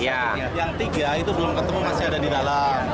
yang tiga itu belum ketemu masih ada di dalam